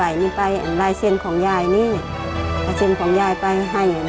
เขามาคุยตอนนี้เลยอยากได้ตัวบ่